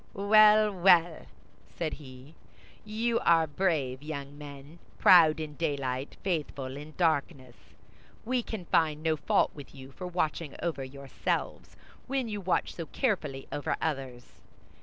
"Well, well!" said he, "you are brave young men, proud in daylight, faithful in darkness. We can find no fault with you for watching over yourselves, when you watch so carefully over others.